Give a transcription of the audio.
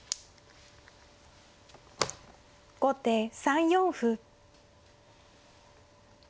後手３四歩。